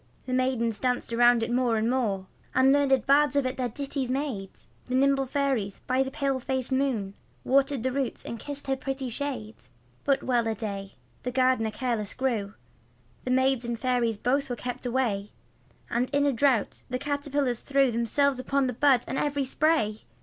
The maidens danced about it more and more, And learned bards of it their ditties made; The nimble fairies by the pale faced moon Watered the root and kissed her pretty shade. But well a day, the gardener careless grew, The maids and fairies both were kept away, And in a drought the caterpillars threw Themselves upon the bud and every spray.